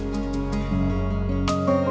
ini ada yang bikin ya